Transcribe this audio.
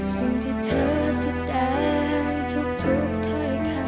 สิ่งที่เธอแสดงทุกถ้อยคำ